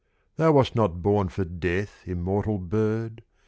60 Thou wast not born for death, immortal Bird!